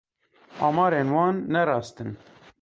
Amarên wan ne rast in.